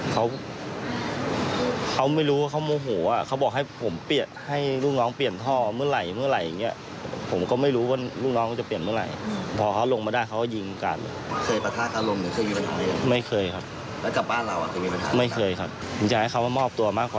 จะได้ความเป็นธรรมหรือเปล่าครับ